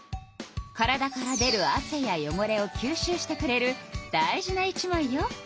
体から出るあせやよごれをきゅうしゅうしてくれる大事な一枚よ。